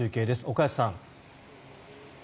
岡安さん。